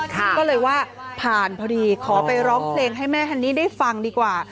ก็เลยว่าผ่านพอดีขอไปร้องเพลงให้แม่ฮันนี่ได้ฟังดีกว่า